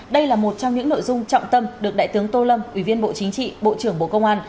đây là một trong những nội dung trọng tâm được đại tướng tô lâm ủy viên bộ chính trị bộ trưởng bộ công an